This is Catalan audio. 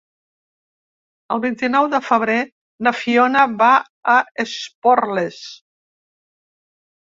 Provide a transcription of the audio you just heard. El vint-i-nou de febrer na Fiona va a Esporles.